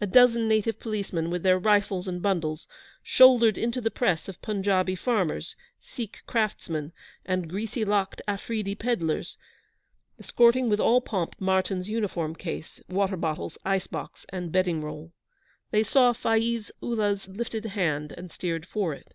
A dozen native policemen, with their rifles and bundles, shouldered into the press of Punjabi farmers, Sikh craftsmen, and greasy locked Afreedee pedlars, escorting with all pomp Martyn's uniform case, water bottles, ice box, and bedding roll. They saw Faiz Ullah's lifted hand, and steered for it.